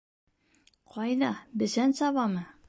— Ҡайҙа, бесән сабамы?